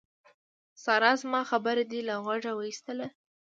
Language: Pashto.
سارا! زما خبره دې له غوږه واېستله.